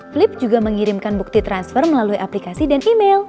flip juga mengirimkan bukti transfer melalui aplikasi dan email